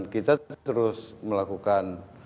kita terus melakukan